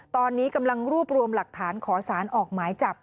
ตอนนี้กำลังรวบรวมหลักฐานขอสารออกหมายจับ